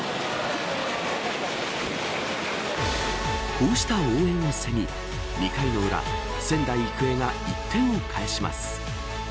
こうした応援を背に２回の裏仙台育英が１点を返します。